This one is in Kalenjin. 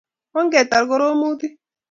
ongetar koromutik